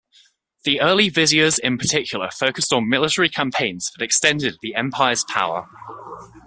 The early viziers in particular focused on military campaigns that extended the Empire's power.